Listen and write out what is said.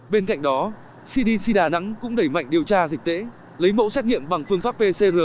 bên cạnh đó cdc đà nẵng cũng đẩy mạnh điều tra dịch tễ lấy mẫu xét nghiệm bằng phương pháp pcr